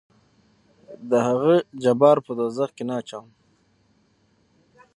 دهغه جبار په دوزخ کې نه اچوم.